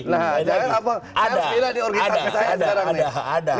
saya harus bela di organisasi saya sekarang